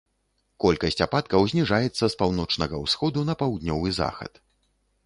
Колькасць ападкаў зніжаецца з паўночнага ўсходу на паўднёвы захад.